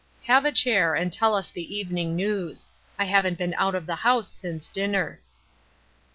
Have a chair, and tell us the evening news. I haven't been out of the house since dinner."